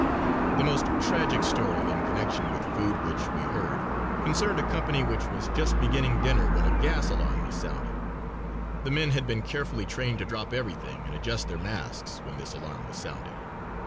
The most tragic story in connection with food which we heard concerned a company which was just beginning dinner when a gas alarm was sounded. The men had been carefully trained to drop everything and adjust their masks when this alarm was sounded.